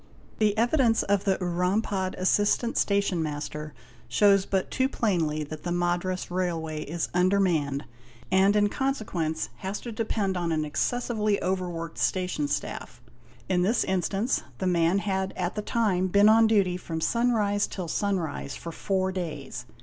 |'" The evidence of the Urampad assistant station master shows but too plainly that the Madras Railway is under manned, and in consequence has to depend on an excessively over worked station staff. In this instance, the man ... had at the time been on duty from sunrise till sunrise for four days.